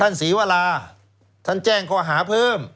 ศรีวราท่านแจ้งข้อหาเพิ่ม